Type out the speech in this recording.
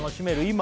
今